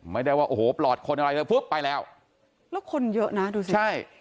ไม่ได้ว่าโอ้โหปลอดคนอะไรเลยปุ๊บไปแล้วแล้วคนเยอะนะดูสิใช่